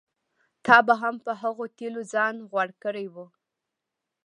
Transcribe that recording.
تا به هم په هغو تېلو ځان غوړ کړی و.